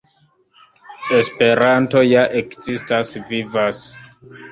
Esperanto ja ekzistas, vivas.